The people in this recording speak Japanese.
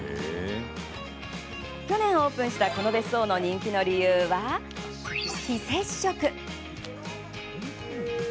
去年オープンしたこの別荘の人気の理由は非接触！